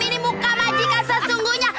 ini muka majikan sesungguhnya